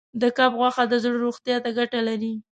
د کب غوښه د زړه روغتیا ته ګټه لري.